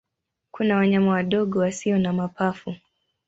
Kuna wanyama wadogo wasio na mapafu.